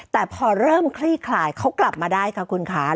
แต่พอเริ่มคลี่คลายเขากลับมาได้ค่ะคุณคะ